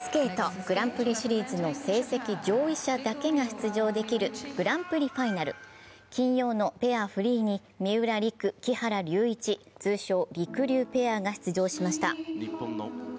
フィギュアスケートグランプリシリーズの成績上位者だけが出場できる金曜のペアフリーに三浦璃来・木原龍一、通称りくりゅうペアが出場しました。